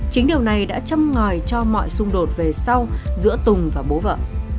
chính điều này đã châm ngòi cho mọi xung đột về sau giữa tùng và bố vợ